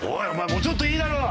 もうちょっといいだろ！